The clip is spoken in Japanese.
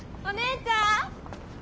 お姉ちゃん！